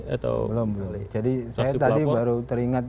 belum boleh jadi saya tadi baru teringat